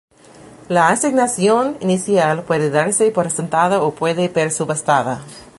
La asignación inicial puede darse por sentada o puede ser subastada.